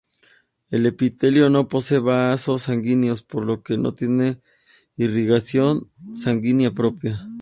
El epitelio no posee vasos sanguíneos, por lo que no tiene irrigación sanguínea propia.